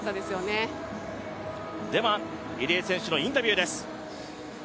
実況では入江選手のインタビューです。